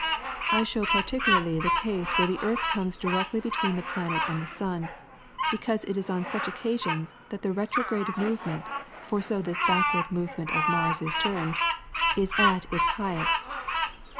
I show particularly the case where the earth comes directly between the planet and the sun, because it is on such occasions that the retrograde movement (for so this backward movement of Mars is termed) is at its highest.